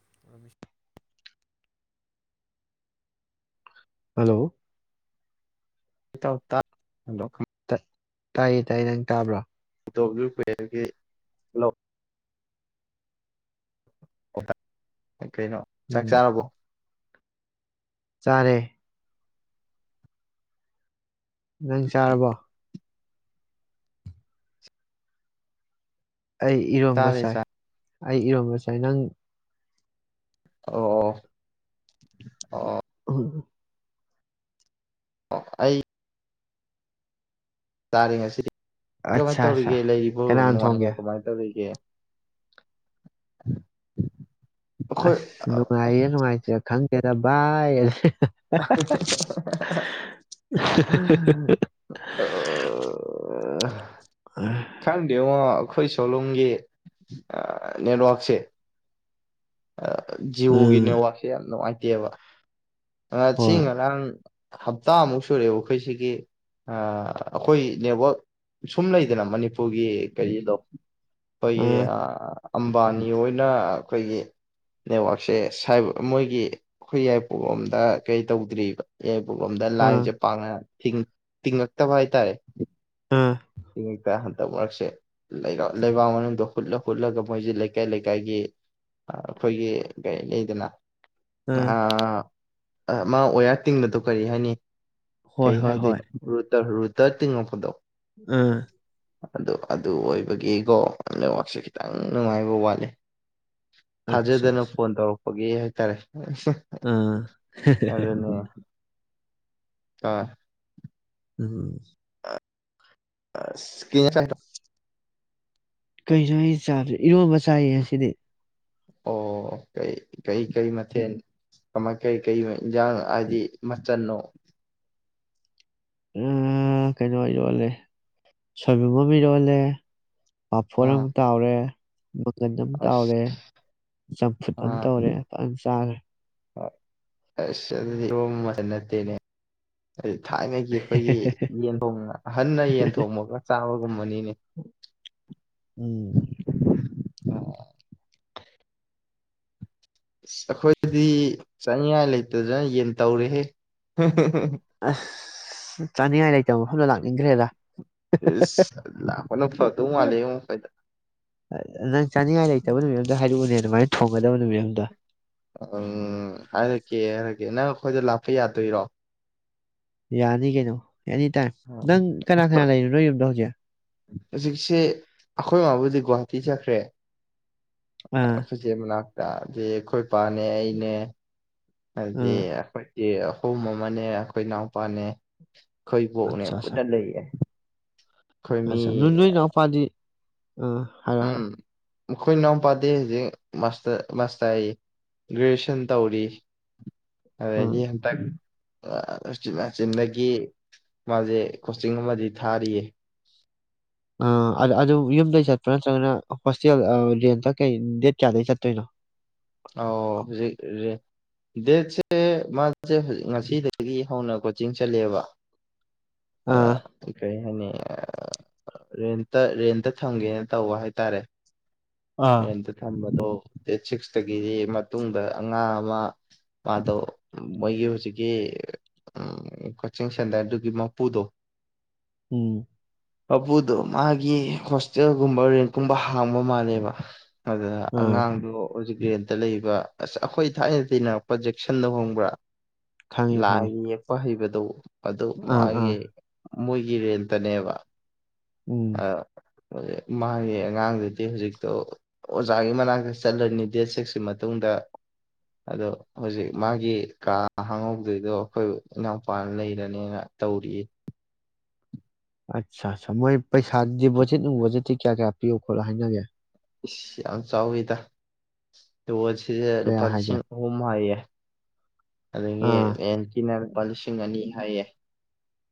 [inaudible] hello ꯇ ꯂ ꯇꯥꯏꯌꯦ ꯇꯥꯏꯌꯦ ꯅꯪ ꯇꯥꯕ꯭ꯔꯣ ꯇꯣ ꯄꯒꯤ [unintelligible] ꯀꯩꯅꯣ ꯆꯥꯛ ꯆꯥꯔꯕꯣ ꯆꯔꯦ ꯅꯪ ꯆꯥꯔꯕꯣ ꯑꯩ ꯏꯔꯣꯝꯕ ꯆꯥꯔꯦ ꯆꯥꯏ ꯆꯥ ꯑꯩ ꯏꯔꯣꯝꯕꯁꯦ ꯅꯪ ꯑꯣ ꯑꯣ ꯑꯣ ꯎ ꯑꯩ ꯇꯔꯦ ꯉꯁꯤ ꯀꯃꯥꯏꯅ ꯑꯠꯆꯥ ꯑꯠꯆꯥ ꯇꯧꯔꯤꯒꯦ ꯂꯩꯔꯤꯕ ꯀꯅꯥꯅ ꯅꯨꯡꯉꯥꯏꯅ ꯊꯣꯡꯒꯦ ꯀꯃꯥꯏꯅ ꯇꯧꯔꯤꯒꯦ [inaudible] ꯑꯁ ꯅꯨꯡꯉꯥꯏꯌꯦ ꯅꯨꯡꯉꯥꯏꯇꯦ ꯈꯪ ꯀꯦ ꯑ [unintelligible] [inaudible] [inaudible] [unintelligible] ꯈꯪꯗꯦꯉꯣ ꯑꯩꯈꯣꯏ ꯁꯣꯂꯣꯝꯒꯤ ꯅꯦꯠꯋꯥꯛꯁꯦ ꯖꯤꯑꯣꯒꯤ ꯎꯝ ꯅꯦꯋꯥꯛꯁꯦ ꯌꯥꯝ ꯅꯨꯡꯉꯥꯏ [unintelligible] ꯉꯁꯤ ꯍꯣꯏ ꯉꯔꯥꯡ ꯍꯞꯇꯥꯃꯨꯛ ꯁꯨꯔꯛꯑꯦ ꯑꯩꯈꯣꯏꯁꯤꯒꯤ ꯑꯩꯈꯣꯏ ꯅꯦꯠꯋꯛ ꯁꯨꯝ ꯂꯩꯗꯅ ꯃꯅꯤꯄꯨꯔꯒꯤ ꯀꯔꯤꯗꯣ ꯑꯩꯩ ꯎꯝ ꯑꯝꯕꯥꯅꯤ ꯑꯣꯏꯅ ꯑꯩꯈꯣꯏꯒꯤ ꯅꯦꯠꯋꯥꯛꯁꯦ ꯃꯣꯏꯒꯤ ꯑꯩꯈꯣꯏ ꯌꯥꯏꯔꯤꯄꯣꯛꯂꯣꯝꯗ ꯑꯥ ꯀꯩ ꯇꯧꯗ꯭ꯔꯤꯕ ꯑꯦ ꯎ ꯑꯝꯗ ꯎꯝ ꯂꯥꯏꯁꯦ ꯄꯥꯡꯉ ꯇꯤꯡ ꯇꯤꯡꯉꯛꯇꯕ ꯍꯥꯏꯇꯥꯔꯦ ꯎꯝ [unintelligible] ꯍꯟꯗꯛ ꯃꯔꯛꯁꯦ ꯂꯩꯕꯥꯛ ꯃꯅꯨꯡꯗ ꯍꯨꯠꯂ ꯍꯨꯠꯂꯒ ꯃꯣꯏꯁꯦ ꯂꯩꯀꯥꯏ ꯂꯩꯀꯥꯏꯒꯤ ꯑꯩꯈꯣꯏꯒꯤ ꯀꯔꯤ ꯂꯩꯗꯅ ꯎꯝ ꯑꯥ ꯃꯥ ꯋꯥꯌꯥꯔ ꯇꯤꯡꯕꯗꯣ ꯀꯔꯤ ꯍꯥꯏꯅꯤ ꯍꯣꯏ ꯀꯩ ꯍꯣꯏ ꯍꯣꯏ ꯍꯥꯏꯗꯣꯏꯅꯣ ꯔꯨꯗ ꯔꯨ ꯇꯥ ꯇꯤꯡꯉꯛꯄꯗꯣ ꯎꯪ ꯑꯗꯨ ꯑꯗꯨ ꯑꯣꯏꯕꯒꯤꯀꯣ ꯅꯦꯠꯋꯥꯛꯁꯦ ꯈꯤꯇꯪ ꯅꯨꯡꯉꯥꯏꯕ ꯋꯥꯠꯂꯦ ꯊꯥꯖꯗꯅꯥ ꯐꯣꯟ ꯇꯧꯔꯛꯄꯒꯤ ꯇꯥꯔꯦ ꯑꯥ [unintelligible] ꯑꯥ ꯎꯝ ꯀꯤ ꯏ ꯆꯥꯗꯔꯤ ꯏꯔꯣꯝꯕ ꯆꯥꯏꯌꯦ ꯉꯁꯤꯗꯤ ꯑꯣ ꯀꯩ ꯀꯩ ꯀꯩ ꯃꯊ ꯀꯃꯥ ꯀꯩ ꯀꯩ ꯏꯟꯖꯥꯡ ꯍꯥꯏꯗꯤ ꯃꯆꯟꯅꯣ ꯎꯝ ꯀꯩꯅꯣ ꯑꯣꯏꯔꯣꯜꯂꯦ ꯁꯣꯏꯕꯨꯝ ꯑꯃꯝꯕꯤꯔꯣꯜꯂꯦ ꯄꯥꯐꯣꯔ ꯑꯝ ꯑꯥ ꯇꯥꯎꯔꯦ ꯃꯪꯒꯟ ꯑꯝ ꯑꯁ ꯇꯥꯎꯔꯦ ꯆꯝꯐꯨꯠ ꯑꯝ ꯇꯧꯔꯦ ꯐꯖꯅ ꯆꯥꯒꯔꯦ ꯑꯁ ꯑꯗꯨꯗꯤ ꯏꯔ‌ꯣꯝꯕꯥ ꯃꯆꯜ ꯅꯠꯇꯦꯅꯦ ꯍꯥꯏꯗꯤ ꯊꯥꯏꯅꯒꯤ ꯑꯩꯈꯣꯏꯒꯤ ꯌꯦꯟ ꯊ ꯑꯍꯟꯅ ꯌꯦꯟ ꯊꯣꯡꯕꯒ ꯆꯥꯕꯒꯨꯝꯕꯅꯤꯅꯦ ꯎꯝ ꯑ [inaudible] ꯑꯁ ꯑꯩꯈꯣꯏꯗꯤ ꯆꯥꯅꯤꯡꯉꯥꯏ ꯂꯩꯇꯗꯅ ꯌꯦꯟ ꯇꯧꯔꯦꯍꯦ ꯑ ꯆꯥꯅꯤꯡꯉꯥꯏ ꯂꯩꯇꯕ ꯃꯐꯝꯗ ꯂꯥꯛꯅꯤꯡꯈ꯭ꯔꯦꯗ ꯂꯅ ꯐꯠꯇ ꯃꯥꯂꯦꯨ ꯐꯥꯏꯗ ꯅꯪ ꯆꯥꯅꯤꯡꯉꯥꯏ ꯂꯩꯇꯕ ꯅꯨꯃꯤꯠ ꯑꯝꯗ ꯍꯥꯏꯔꯛꯎꯅꯦ ꯑꯗꯨꯃꯥꯏꯅ ꯊꯣꯡꯒꯗꯕ ꯅꯨꯃꯤꯠ ꯑꯗ ꯎꯝ ꯍꯥꯏꯔꯛꯀꯦ ꯍꯥꯏꯔꯀꯦ ꯅꯪ ꯑꯩꯈꯣꯏꯗ ꯂꯥꯛꯄ ꯌꯥꯗꯣꯏꯔꯣ ꯌꯥꯅꯤ ꯀꯩꯅꯣ ꯑꯦꯅꯤ ꯇꯥꯏꯝ ꯅꯪ ꯀꯅꯥ ꯀꯅꯥ ꯂꯩꯔꯤꯨꯅꯣꯏ ꯌꯨꯝꯗ ꯍꯧꯖꯤꯛ ꯍꯧꯖꯤꯛꯁꯦ ꯑꯩꯈꯣꯏ ꯃꯥꯕꯨꯗꯤ ꯒꯨꯍꯥꯇꯤ ꯆꯠꯈ꯭ꯔꯦ ꯑꯥ ꯁ ꯃꯅꯥ ꯗꯤ ꯑꯩꯈꯣꯏ ꯏ ꯄꯅꯦ ꯑꯩꯅꯦ ꯑꯗꯨꯗꯤ ꯑꯥ ꯑꯩꯈꯣꯏ ꯑꯍꯨꯝ ꯑꯃꯅꯦ ꯑꯩꯈꯣꯏ ꯏꯅꯥꯎꯄꯥꯅꯦ ꯈꯣꯏꯕꯣꯛꯅꯦ ꯑꯠꯆꯥ ꯑꯠꯆꯥ ꯄꯨꯟꯅ ꯂꯩꯌꯦ ꯑꯩꯈꯣꯏ ꯃꯤ [unintelligible] ꯅꯣꯏ ꯅꯣꯏꯅꯄꯥꯗꯤ ꯑ ꯍꯥꯏꯑꯣ ꯍꯥꯏꯔꯣ ꯃꯈꯣꯏ ꯅꯥꯎ ꯄꯥꯗꯦ ꯍꯧꯖꯤꯛ ꯃꯥꯁꯇ ꯒ꯭ꯔꯦꯖꯨꯦꯁꯟ ꯇꯧꯔꯤ ꯎꯝ ꯑꯗꯤ ꯍꯇꯛ ꯃꯆꯤꯟꯗꯒꯤ ꯃꯥꯁꯦ ꯀꯣꯆꯤꯡ ꯑꯃꯗꯤ ꯊꯥꯔꯤꯌꯦ ꯑꯗꯨ ꯌꯨꯝꯗꯒꯤꯩ ꯆꯠꯄ꯭ꯔꯥ ꯅꯠꯇ꯭ꯔꯒꯅ ꯍꯣꯁꯇꯦꯜ ꯔꯦꯟꯇ ꯀꯩ ꯗꯦꯠ ꯀꯌꯥꯗꯒꯤꯩ ꯆꯠꯇꯣꯏꯅꯣ ꯑꯣ ꯍꯧꯖꯤꯛ ꯗꯦꯠꯁꯦ ꯃꯥꯦꯖꯤꯛ ꯉꯁꯤꯗꯒꯤ ꯍꯧꯅ ꯀꯣꯆꯤꯡ ꯆꯠꯂꯦꯕ ꯑꯗ ꯑꯥ ꯀꯩ ꯍꯥꯏꯅꯤ ꯔꯦꯟꯇ ꯔꯦꯟꯇ ꯊꯝꯒꯦꯅ ꯇꯧꯕ ꯍꯥꯏꯇꯥꯔꯦ ꯑꯥ ꯍꯇ ꯊꯥꯡꯝꯕ ꯑꯣ ꯁꯤꯁ ꯇꯒꯤꯗꯤ ꯃꯇꯨꯡꯗ ꯑꯉꯥꯡ ꯑꯃ ꯃꯥꯗꯣ ꯃꯣꯏꯒꯤ ꯍꯧꯖꯤꯛꯀꯤ ꯀꯣꯆꯤꯡ ꯁꯦꯟꯇꯔꯗꯨꯒꯤ ꯃꯄꯨꯗꯣ ꯎꯝ ꯄꯄꯨꯗꯣ ꯃꯥꯒꯤ ꯍꯣꯁꯇꯦꯜꯒꯨꯝꯕ ꯔꯦꯟꯀꯨꯝꯕ ꯍꯥꯡꯕ ꯃꯥꯜꯂꯦꯕ ꯑꯗ ꯑꯥ ꯑꯉꯥꯡꯗꯣ ꯍꯧꯖꯤꯛ ꯒ꯭ꯔꯦꯟꯗ ꯂꯩꯕ ꯑꯁ ꯑꯩꯈꯣꯏ ꯊꯥꯏꯅ ꯇꯤꯟꯅꯔꯛꯄ ꯖꯦꯛꯁꯟꯗ ꯍꯣꯡꯕ꯭ꯔꯥ ꯈꯪꯉꯦ ꯈꯪꯉꯦ ꯂꯥꯏ ꯌꯦꯛꯄ ꯍꯩꯕꯗ [unintelligible] ꯑꯗꯨ ꯑꯗꯨ ꯑꯥ ꯑꯥ ꯃꯥꯒꯤꯦ ꯃꯒꯤꯔꯤꯑꯇꯅꯦꯦꯕ ꯎꯝ ꯃꯥꯒꯤ ꯑꯉꯥꯡꯗꯨꯗꯤ ꯍꯧꯖꯤꯛꯇꯣ ꯑꯣꯖꯥꯒꯤ ꯃꯅꯥꯛꯇ ꯆꯠꯂꯅꯤ ꯗꯦꯠ ꯁꯤꯛꯁꯀꯤ ꯃꯇꯨꯡꯗ ꯑꯗꯣ ꯍꯧꯖꯤꯛ ꯃꯥꯒꯤ ꯀꯥ ꯍꯥꯡꯍꯧꯗꯣꯏꯗꯣ ꯑꯩꯈꯣꯏ ꯏꯅꯥꯎꯄꯥꯅ ꯂꯩꯔꯅꯦꯅ ꯇꯧꯔꯤ ꯑꯠꯆꯥ ꯑ ꯃꯣꯏ ꯄꯩꯁꯥ ꯗꯤꯄꯣꯖꯤꯠ ꯅꯨꯡꯕꯣꯖꯤꯠꯇꯤ ꯀꯌꯥ ꯀꯌꯥ ꯄꯤꯌꯣ ꯈꯣꯠꯂꯣ ꯍꯥꯏꯅꯒꯦ ꯌꯥꯝ ꯆꯥꯎꯥꯎ ꯏꯗ ꯇ ꯁꯤ ꯀꯌꯥ ꯔꯨꯄꯥꯜ ꯍꯥꯏꯒꯦ ꯁꯤꯡ ꯍꯍꯃꯥꯏꯌꯦ ꯑꯦ ꯑꯥ ꯑꯦꯅꯤꯅ ꯂꯨꯄꯥ ꯂꯤꯁꯤꯡ ꯑꯅꯤ ꯍꯥꯏꯌꯦ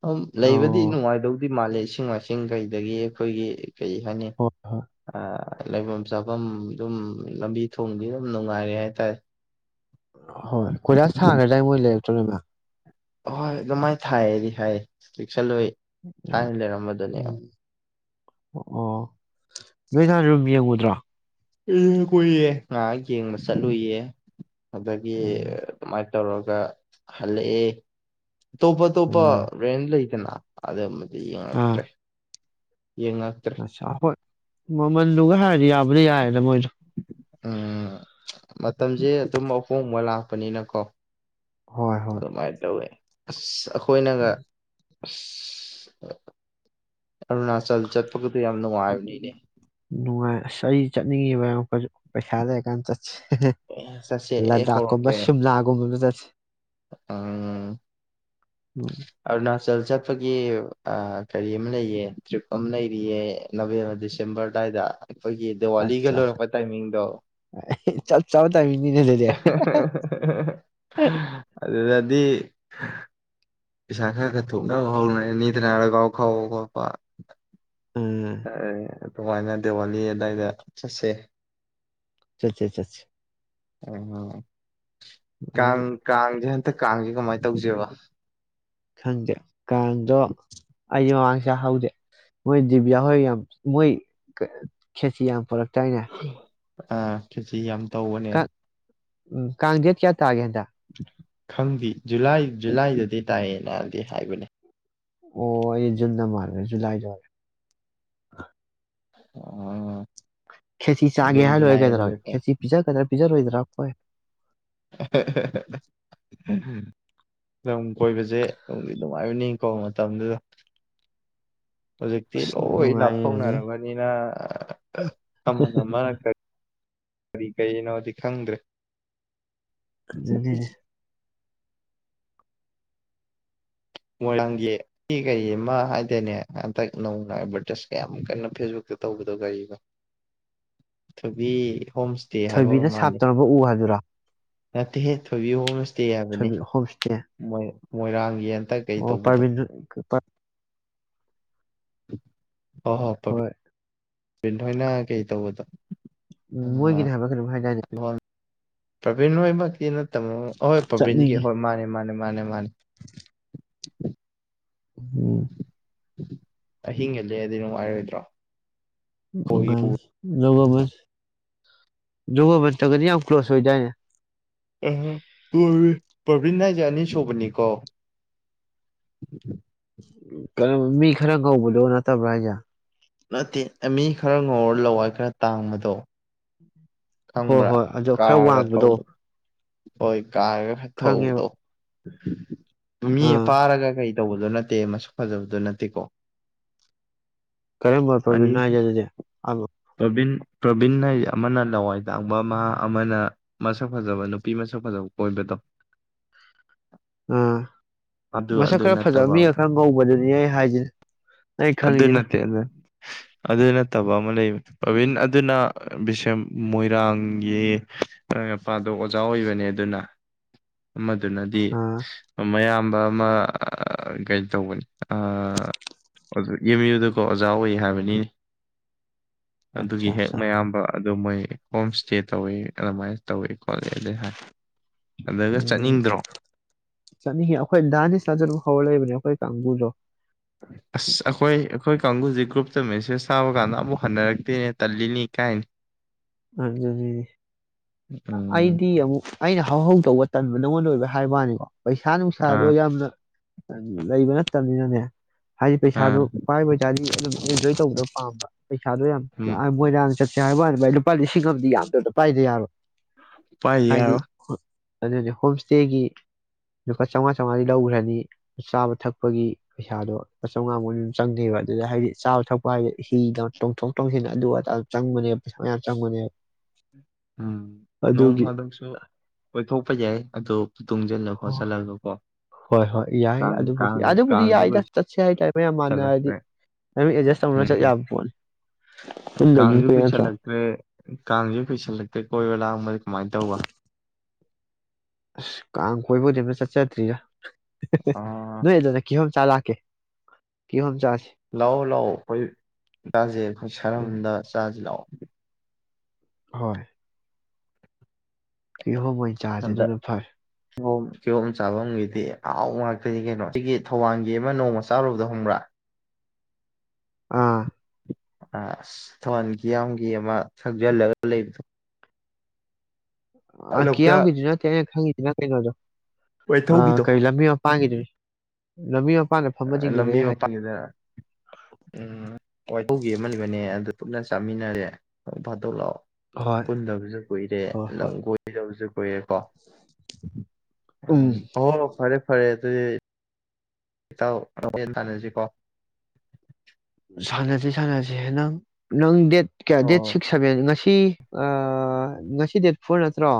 ꯑ ꯑꯣ ꯂꯩꯕꯗꯤ ꯅꯨꯡꯉꯥꯏꯗꯧꯗꯤ ꯃꯥꯜꯂꯦ ꯏꯁꯤꯡ ꯃꯥꯏꯁꯤꯡ ꯀꯩꯗꯒꯤ ꯑꯩꯈꯣꯏꯒꯤ ꯀꯩ ꯍꯥꯏꯅꯤ ꯍꯣꯏ ꯍꯣꯏ ꯑ ꯂꯩꯐꯝ ꯆꯥꯐꯝ ꯑꯗꯨꯝ ꯂꯝꯕꯤ ꯊꯣꯡꯗꯤ ꯑꯗꯨꯝ ꯅꯨꯡꯉꯥꯏꯔꯦ ꯍꯥꯏꯇꯥꯔꯦ ꯍꯣꯏ ꯀꯣꯏꯂꯥꯁ ꯊ ꯇꯥꯏ ꯃꯣꯏ ꯂꯩꯛꯇ꯭ꯔ ꯍꯣꯏ ꯑꯗꯨꯃꯥꯏꯅ ꯊꯥꯏꯗꯤ ꯍꯥꯏꯌꯦ ꯄꯁꯜꯂꯣꯏ ꯆꯥꯡ ꯂꯩꯦꯔꯝꯕ ꯑꯗꯨꯅꯦ ꯑꯣ ꯑꯣ ꯅꯣꯏ ꯅꯍꯥꯟ ꯑꯗꯨꯝ ꯌꯦꯡꯉꯨꯗ꯭ꯔꯥ ꯑꯦ ꯀꯨꯏꯌꯦꯦ ꯉꯥꯏꯍꯥꯛ ꯌꯦꯡꯕ ꯆꯠꯂꯨꯌꯦ ꯑꯗꯨꯗꯒꯤ ꯎꯝ ꯇꯧꯔꯒ ꯍꯜꯂꯛꯑꯦ ꯇꯣꯞ ꯇꯣꯞꯄ ꯎꯝ ꯔꯦꯟ ꯂꯩ ꯑꯗꯨ ꯑꯠꯇ꯭ꯔꯦ ꯑꯆꯥ ꯍꯣꯏ ꯃꯃꯟ ꯗꯨꯒ ꯍꯤꯔꯨꯔꯗꯤ ꯌꯕꯨ ꯎꯝ ꯃꯇꯝꯁꯦ ꯑꯗꯨꯝ ꯑꯍꯣꯡꯕ ꯂꯥꯛ ꯄꯅꯤꯅ ꯀꯣ ꯍꯣꯏ ꯍꯣꯏ ꯑꯗꯨ ꯃꯥꯥꯏꯇꯧꯋꯦ ꯑꯁ ꯍꯣꯏꯅꯒ ꯎꯝ [inaudible] ꯑꯔꯨꯅꯥꯆꯜ ꯆꯠꯄꯒꯗꯨ ꯌꯥꯝ ꯅꯨꯡꯉꯥꯏꯕꯅꯤꯅꯦ ꯅꯨꯡꯉꯥꯏ ꯑꯁ ꯑꯩ ꯆꯠꯅꯤꯡꯉꯤꯕ ꯑꯃꯨꯛꯀꯥꯖꯨ ꯄꯩꯁꯥ ꯂꯩꯔꯀꯥꯟꯗ ꯆꯠ ꯑꯦ ꯆꯠꯁꯦ ꯂꯥꯙꯥꯛ ꯀꯨꯝꯕꯥ ꯁꯨꯝꯂꯥꯒꯨꯝꯕꯗ ꯆꯦ ꯑꯥ [unintelligible] ꯑꯣꯏ [inaudible] ꯆꯜ ꯆꯠꯄꯒꯤ ꯀꯔꯤ ꯑꯃ ꯂꯩꯌꯦ ꯇ꯭ꯔꯤꯞ ꯑꯃ ꯂꯩꯔꯤꯌꯦ ꯅꯕꯦꯝꯕꯔ ꯗꯤꯁꯦꯝꯕꯔ ꯑꯗꯨꯋꯥꯏꯗ ꯑꯩꯈꯣꯏꯒꯤ ꯗꯤꯋꯥꯂꯤꯒ ꯑꯠꯆꯥ ꯑꯠꯆꯥ ꯂꯣꯏꯔꯛꯄ ꯇꯥꯏꯃꯤꯡꯗꯣ ꯆꯞ ꯆꯥꯕ ꯇꯥꯏꯃꯤꯡꯅꯤꯅꯦ ꯑꯗꯨꯗꯤ ꯑꯗꯨꯗꯗꯤ ꯁ [unintelligible] ꯊ ꯍꯥꯎ ꯅꯅꯤꯗꯅꯔꯒꯥꯎ ꯈ [unintelligible] ꯀ ꯄ ꯎꯝ ꯑ [unintelligible] ꯑꯗꯨꯃꯥꯏꯅ ꯗꯤꯋꯥꯂꯤ ꯑꯗꯨꯗꯥꯏꯗ ꯆꯠꯁꯦ ꯆꯠꯁꯦ ꯆꯠꯁꯦ ꯑ [unintelligible] ꯎꯝ ꯀꯡꯁꯦ ꯍꯟꯊꯛꯥ ꯀꯃꯥꯏꯅ ꯇꯧꯁꯦꯕ ꯈꯪꯗꯦ ꯀꯥꯟꯗꯣ ꯑꯩꯁ ꯃꯃꯥꯡꯁꯦ ꯍꯧꯗꯦ ꯃꯣꯏ ꯗꯤꯕꯤꯌꯥ ꯍꯣꯏ ꯌꯥꯝ ꯃꯣꯏ ꯈꯦꯁꯤ ꯌꯥꯝ ꯄꯨꯔꯛꯇ ꯆꯅꯥ ꯑ ꯈꯦꯁꯤ ꯌꯥꯝ ꯇꯧꯕꯅꯦ ꯎꯝ ꯀ ꯀꯥꯡꯗꯦꯠ ꯀꯌꯥ ꯇꯥ ꯀꯦ ꯍꯟꯗꯛ ꯈꯪꯗꯦ ꯖꯨꯂꯥꯏ ꯖꯨꯂꯥꯏꯗꯗꯤ ꯇꯥꯏꯌꯦ ꯅꯥꯗꯦ ꯍꯥꯏꯕꯅꯦ ꯑꯣ ꯑꯩꯖꯨꯟ ꯅ ꯃꯥꯟꯂꯨꯔꯦ ꯖꯨꯂꯥꯏꯗ ꯑꯣꯏꯔ ꯑꯣ ꯈꯦꯆ ꯆꯥꯒꯦ ꯖꯨꯟ ꯍꯥꯏꯔꯣꯏꯔꯦ ꯖꯨꯂꯥꯏ ꯀꯩꯗ꯭ꯔꯥ ꯑꯗꯨꯗꯀꯣ ꯈꯦꯆ ꯄꯤꯖꯒꯗ꯭ꯔꯥ ꯄꯤꯖꯔꯣꯏꯗ꯭ꯔꯥꯈꯣꯏ ꯍ ꯎ ꯂꯝ ꯀꯣꯏꯕꯁꯦ ꯒꯤ ꯅꯨꯡꯉꯥꯏꯕꯅꯤꯀꯣ ꯃꯇꯝꯗꯨꯗ ꯍꯧꯖꯤꯛꯇꯤ ꯂꯣꯏ ꯅꯨꯡꯉꯥꯏꯔꯅꯤ ꯂꯥꯞꯊꯣꯛꯅꯔꯕꯅꯤꯅ ꯑꯃꯜ ꯑꯃꯅ ꯀꯔꯤ ꯀꯔꯤ ꯀꯅꯣꯗꯤ ꯈꯪꯗ꯭ꯔꯦ ꯑꯗꯨꯗꯒꯤ ꯃꯣꯏꯔꯥꯡꯒꯤ ꯀꯩ ꯑꯃ ꯍꯥꯏꯇꯥꯔꯅꯦ ꯍꯟꯇꯛ ꯅꯧꯅ ꯑꯦꯚꯔꯇꯥꯏꯁ ꯀꯌꯥꯛ ꯀꯟꯅ ꯐꯦꯁꯕꯨꯛꯇ ꯇꯧꯕꯗꯣ ꯍꯣꯝ ꯏꯁꯇꯦ ꯑꯃ ꯊꯣꯏꯕꯤꯅ ꯃꯥꯜꯂꯤ ꯁꯥꯞꯇꯅꯕ ꯎ ꯍꯥꯏꯗꯨꯔꯥ ꯍꯥꯏꯦ ꯊꯣꯛ ꯀꯩ ꯍꯥꯏꯕ ꯍꯣꯝ ꯏꯁꯇꯦ ꯃꯣꯏ ꯃꯣꯏꯔꯥꯡ ꯌꯦꯟ ꯑꯣ ꯄꯥꯏꯕꯤ [inaudible] ꯍ ꯍꯣꯏ ꯜ ꯍꯣꯏꯅ ꯀꯩ ꯇꯧꯕꯗꯣ ꯎꯝ ꯃꯣꯏꯒꯤꯗꯤ ꯍꯥꯏꯕ ꯈꯩꯅꯚꯥꯏꯗꯥꯗ ꯄꯕꯤꯟꯃ ꯀ ꯅ ꯇꯃꯣ ꯑ ꯍꯣꯏ ꯄ꯭ꯔꯕꯤꯟꯒꯤ ꯆꯠꯅꯤꯡꯉꯤ ꯍꯣꯏ ꯃꯥꯅꯦ ꯃꯥꯅꯦ ꯃ ꯃꯥ [inaudible] [inaudible] ꯎꯝ ꯑꯍꯤꯡꯒꯂꯑꯗꯤ ꯅꯨꯡꯉꯥꯏꯔꯣꯏꯗ꯭ꯔꯣ ꯎꯉ ꯈꯣꯏꯒ ꯄꯨ [unintelligible] ꯌꯒꯣ ꯃ ꯌꯒꯣ ꯃ ꯇꯒꯅꯤ ꯌꯥꯝ ꯀ ꯀ꯭ꯂꯣꯁ ꯑꯣꯏꯏ ꯑ ꯄ꯭ꯔꯕꯤ꯭ꯟ ꯍꯥꯏꯖ ꯑꯅꯤ ꯁꯨꯕꯅꯤꯀꯣ ꯃꯤ ꯈꯔ ꯀꯧꯕꯧꯕꯗꯣ ꯅꯠꯇꯕ꯭ꯔꯥ ꯍꯥꯏꯖ ꯅꯠꯇꯦ ꯃꯤ ꯈꯔ ꯉꯧꯔ ꯂꯋꯥꯏ ꯈꯔ ꯇꯥꯡꯕꯗꯣ ꯍꯣꯏ ꯈꯪꯕ꯭ꯔꯥ ꯍꯣꯏ ꯑꯣ ꯈꯔ ꯀꯥꯔꯒ ꯋꯥꯡꯕꯗꯣ ꯊꯧꯕꯗꯣ ꯍꯣꯏ ꯀ ꯈꯪꯉꯦꯕ ꯊꯗ [inaudible] ꯃꯤ ꯑꯥ ꯐꯥꯔꯒ ꯀꯩ ꯇꯧꯕꯗꯣ ꯅꯠꯇꯦ ꯃꯁꯛ ꯐꯖꯕꯗꯣ ꯅꯠꯇꯦꯀꯣ ꯀꯔꯝꯕ ꯄꯕꯤ ꯅꯥ ꯍꯥꯏꯒꯦ ꯑꯗꯨꯗꯤ ꯄ꯭ꯔꯣꯕꯤꯟ ꯄ꯭ꯔꯣꯕꯤꯟ ꯍꯥꯏ ꯑꯃꯅ ꯂꯋꯥꯏ ꯇꯥꯡꯕ ꯃꯍꯥꯛ ꯑꯃꯅ ꯃꯁꯛ ꯐꯖꯕ ꯅꯨꯄꯤ ꯃꯁꯛ ꯐꯖꯕ ꯀꯣꯏꯕꯗꯣ ꯑꯥ ꯑꯗꯨ ꯃꯁꯛ ꯑꯗꯨ ꯈꯔ ꯐꯖꯕ ꯅꯠꯇꯕ ꯃꯤꯒ ꯈꯔ ꯉꯧꯕꯗꯨ ꯃꯤ ꯍꯥꯏꯖꯦ ꯑꯗꯨꯗꯅꯠꯇꯦ ꯑꯗꯨꯅ ꯐꯠꯇꯕ ꯑꯃ ꯂꯩꯕ ꯄ꯭ꯔꯕꯤꯟ ꯑꯗꯨꯅ ꯕꯤꯁꯦꯝ ꯃꯣꯏꯔꯥꯡꯒꯤ ꯃꯄꯥꯗꯣ ꯑꯣꯖꯥ ꯑꯣꯏꯕꯅꯦ ꯑꯗꯨꯅ ꯑꯗꯨꯅꯗꯤ ꯑꯥ ꯃꯌꯥꯝꯕ ꯑꯃ ꯒꯥꯏꯗ ꯇꯧꯕꯅꯤ ꯑꯗꯨ ꯑꯦꯝ ꯌꯨꯗꯀꯣ ꯑꯣꯖꯥ ꯑꯣꯏ ꯍꯥꯏꯕꯅꯤꯅꯦ ꯑꯗꯨꯒꯤ ꯑꯠꯆꯥ ꯍꯦꯛ ꯑꯠꯆꯥ ꯃꯌꯥꯝꯕ ꯑꯗꯨ ꯃꯣꯏ ꯍꯣꯝ ꯏꯁꯇꯦ ꯇꯧꯋꯤ ꯑꯗꯨꯃꯥꯏꯅ ꯇꯧꯋꯤ ꯈꯣꯠꯂꯤ ꯑꯗꯨ ꯍꯥꯏ ꯑꯗꯨꯒ ꯎꯝ ꯆꯠꯅꯤꯡꯗ꯭ꯔꯣ ꯆꯠꯅꯤꯡꯉꯤ ꯑꯩꯈꯣꯏ ꯗꯥꯗꯤ ꯆꯥꯖꯔꯨ ꯍꯧꯔ ꯂꯩꯕꯅꯦ ꯑꯩꯈꯣꯏ ꯀꯥꯡꯕꯨꯗꯣ ꯑꯁ ꯑꯩꯈꯣꯏ ꯑꯩꯈꯣꯏ ꯀꯥꯡꯒꯨꯁ ꯒ꯭ꯔꯨꯞꯇ ꯃꯦꯁꯦꯖ ꯊꯥꯕ ꯀꯥꯟꯗ ꯑꯃꯨꯛ ꯍꯟꯅꯔꯛꯇꯦꯅꯦ ꯇꯜꯂꯤꯅꯤ ꯀꯥꯏꯅꯤ ꯎꯝ ꯑꯩꯗꯤ ꯑꯃꯨꯛ ꯑꯩꯅ ꯍꯧ ꯍꯧ ꯇꯧꯕ ꯇꯟꯕ ꯅꯪꯉꯣꯟꯗ ꯑꯣꯏꯕ ꯍꯥꯏ ꯋꯥꯅꯤꯀꯣ ꯄꯩꯁꯥ ꯅꯨꯡꯁꯥꯗꯣ ꯑꯥ ꯌꯥꯝꯅ ꯂꯩꯕꯅ ꯆ ꯇꯅꯤꯅꯅꯦ ꯍꯥꯏꯗꯤ ꯄꯩꯁꯥꯗꯨ ꯑꯥ ꯄꯥꯏꯕꯖꯥꯅꯤ ꯑꯗꯨꯝ ꯑꯦꯟꯖꯣꯏ ꯇꯧꯕꯗꯣ ꯄꯥꯝꯕ ꯄꯩꯁꯥꯗꯣ ꯌꯥꯝ ꯎꯝ ꯃꯣꯏꯔ ꯆꯠꯁꯦ ꯍꯥꯏꯕ [inaudible] ꯄ ꯁꯤꯒꯗꯤ ꯌꯥꯝꯅ ꯄꯥꯏꯗꯦ ꯌꯥꯔꯣ ꯄꯥꯏꯌꯦ ꯑꯗꯨꯗꯤ ꯍꯣꯝ ꯏꯁꯇꯦꯒꯤ ꯂꯨꯄꯥ ꯆꯥꯝꯃꯉꯥ ꯆꯥꯝꯃꯉꯥꯗꯤ ꯂꯧꯈ꯭ꯔꯅꯤ ꯆꯥꯕ ꯊꯛꯄꯒꯤ ꯄꯩꯁꯥꯗꯣ ꯂꯨꯄꯥ ꯆꯥꯝꯃꯉꯥꯃꯨꯛ ꯑꯗꯨꯝ ꯆꯪꯗꯦꯕ ꯑꯗꯨꯗ ꯍꯥꯏꯗꯤ ꯆꯥꯕ ꯊꯛꯄ ꯍꯥꯏꯕꯗꯤ ꯍꯤꯗ ꯇꯣꯡꯊꯣꯛ ꯇꯣꯡꯁꯤꯟ ꯑꯗꯨ ꯑꯇꯥ ꯆꯪꯕꯅꯦꯕ ꯄꯩꯁꯥ ꯃꯌꯥꯝ ꯆꯪ ꯃꯅꯦ ꯎꯝ ꯅꯣꯡ ꯐꯥꯗꯪꯁꯨ ꯑꯣꯏꯊꯣꯛ ꯞꯄ ꯌꯥꯏ ꯑꯗꯨꯣ ꯇꯨꯡꯁꯤꯜꯂꯣꯀꯣ ꯆꯠꯍꯂꯣꯀꯣ ꯍꯣꯏ ꯍꯣꯏ ꯌꯥꯏ ꯑꯗꯨꯕꯨꯗꯤ ꯑꯗꯨꯕꯨꯗꯤ ꯌꯥꯏꯗ ꯆꯠꯁꯦ ꯇ ꯃꯣꯏꯌꯥꯝ ꯃꯥꯟꯅꯔꯗꯤ ꯀꯨꯏꯁꯜꯂꯛꯇ꯭ꯔꯦ ꯅꯝ ꯑꯦꯗꯖꯁ ꯇꯧꯅꯔ ꯎꯝ ꯆꯠ ꯌꯥꯕ ꯄꯣꯠꯅꯤ ꯄꯨꯟꯗꯕꯁꯨ ꯀꯥꯡꯁꯨ ꯀꯨꯏꯔꯦ ꯅꯠꯇ꯭ꯔꯣ ꯀꯨꯁꯜꯂꯛꯇ꯭ꯔꯦ ꯀꯥꯡꯁꯨ ꯀꯨꯁꯜꯂꯛꯇ꯭ꯔꯦ ꯀꯣꯏꯕꯂꯥ ꯑꯃ ꯁꯨꯃꯥꯏꯅ ꯇꯧꯕ ꯑꯁ ꯀꯥꯡ ꯀꯣꯏꯕꯗꯤ ꯑꯝꯇ ꯆꯠꯆꯗ꯭ꯔꯤꯔꯥ ꯑ ꯅꯣꯏ ꯑꯗꯨꯗ ꯀꯤꯍꯣꯝ ꯆꯂꯥꯛꯀꯦ ꯀꯤꯍꯣꯝ ꯆꯁꯦ ꯂꯥꯛꯑꯣ ꯂꯥꯛꯑꯣ ꯑꯩꯈꯣꯏ ꯆꯥꯁꯦ ꯑꯩꯈꯣꯏ ꯎꯝ ꯁꯔꯝꯗ ꯆꯥꯁꯦ ꯂꯥꯛꯑꯣ ꯍꯣꯏ ꯀꯤꯍꯣꯝ ꯑꯣꯏꯅ ꯆꯥꯁꯦ ꯍꯟꯗꯛ ꯑꯗꯨꯅ ꯐꯔꯦ ꯀꯤꯍꯣꯝ ꯀꯤꯍꯣꯝ ꯆꯥꯐꯝꯒꯤꯗꯤ ꯑꯍꯥꯎ ꯉꯥꯛꯇꯣꯏꯗꯤ ꯀꯩꯅꯣ ꯁꯤꯒꯤ ꯊꯧꯕꯥꯜꯒꯤ ꯑꯃ ꯅꯣꯡꯃ ꯆꯥꯔꯨꯕꯗ ꯍꯪꯕ꯭ꯔꯥ ꯑꯥ ꯑ ꯊꯧꯕꯥꯜ ꯀꯤꯌꯥꯝꯒꯤ ꯑꯃ ꯊꯧꯖꯤꯜꯂꯒ ꯂꯩꯕꯗꯣ ꯑ ꯀꯤꯌꯥꯝ ꯂꯣꯛꯇꯥꯛ ꯅꯠꯇꯦ ꯑꯩ ꯈꯪꯉꯤ ꯄ ꯀꯩꯅꯣꯗꯣ ꯑ ꯋꯥꯏꯊꯧꯒꯤꯗꯣ ꯀꯩ ꯂꯝꯕꯤ ꯑꯃ ꯄꯥꯡꯉꯗꯨꯣꯏꯅꯤ ꯂꯝꯕꯤ ꯃꯄꯥꯟꯗ ꯎꯝ ꯋꯥꯏ ꯑꯃꯅꯤꯜꯂꯤꯕꯅꯦ ꯑꯗꯨ ꯄꯨꯟꯅ ꯆꯥꯃꯤꯟꯅꯔꯦ ꯚꯥꯗꯣꯛ ꯂꯥꯛꯑꯣ ꯍꯣꯏ ꯄꯨꯟꯗꯕꯁꯨ ꯀꯨꯏꯔꯦ ꯍꯣꯏ ꯂꯝ ꯍꯣꯏ ꯀꯣꯏꯗꯕꯁꯨ ꯀꯨꯏꯔꯦꯀꯣ ꯎꯝ ꯑꯣ ꯐꯔꯦ ꯐꯔꯦ [unintelligible] ꯏꯇꯥꯎ ꯂꯝꯖꯦꯜ ꯇꯥꯅꯖꯤꯀꯣ ꯁꯥꯟꯅꯖꯦ ꯁꯥꯟꯅꯖꯦ ꯅꯪ ꯅꯪ ꯗꯦꯠ ꯀꯌꯥ ꯗꯦꯠ ꯑꯣ ꯁꯤꯛꯁ ꯁꯚꯦꯟ ꯉꯁꯤ ꯁꯤ ꯉꯁꯤ ꯗꯦꯠ ꯐꯣꯔ ꯅꯠꯇ꯭ꯔꯣ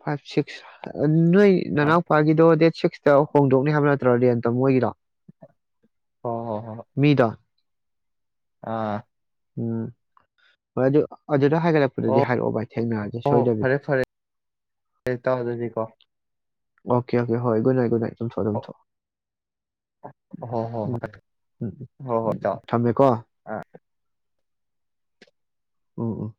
ꯐꯥꯏꯚ ꯁꯤꯛꯁ ꯅꫭꯏ ꯑꯥ ꯅꯅꯥꯎꯄꯒꯤꯗꯣ ꯗꯦꯠ ꯁꯤꯛꯁ [unintelligible] ꯍꯣꯡꯗꯣꯛꯅꯤ ꯍꯥꯏꯕ ꯅꯠꯇ꯭ꯔꯣ ꯔꯦꯟꯇꫭ ꯃꫭꯏꯒꯤꯗꫭ ꯍꫭ-ꯍꫭ-ꯍꫭ-ꯍꫭ ꯑꯥ ꯎꯝ ꯍꯣꯏ ꯑꯗꯨ ꯑꯗꯨ ꯑꯗꯣ ꯍꯥꯏꯒꯠꯂꯛꯄꯗꯗꯤ ꯑꯣ ꯍꯥꯏꯔꯛꯑꯣ ꯚꯏ ꯊꯦꯡꯅꯔꯖꯤ ꯍꯣ ꯁꯣꯏꯗꯕꯤꯗ ꯐꯔꯦ ꯐꯔꯦ ꯏꯇꯥꯎ ꯑꯗꯨꯗꯤꯀꯣ ꯑꯣꯀꯦ ꯑꯣꯀ ꯍꯣꯏꯨ ꯒꯨꯠ ꯅꯥꯏꯠ ꯒꯨꯠ ꯅꯥꯏꯠ ꯇꯨꯝꯊꫭꯛꯑꫭ ꯍꯣ ꯇꯨꯝꯊꫭꯛꯑꫭ ꯍꯣ ꯎꯝ ꯍꯣꯏ ꯎꯝ ꯍꯣꯏ ꯎꯝ ꯍꯣꯏ ꯎꯝ ꯏꯇꯥꯎ ꯑꯥ ꯊꯝꯃꯦꯀꯣ ꯑꯣ ꯑꯣ